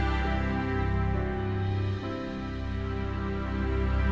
saya tidak mau